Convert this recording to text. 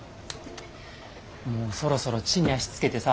もうそろそろ地に足着けてさ